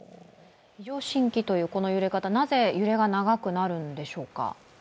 異常震域という揺れ方、なぜ揺れが長くなるんでしょうか。